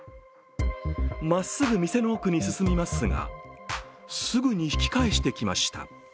まっすぐ店の奥に進みますが、すぐに引き返してきました。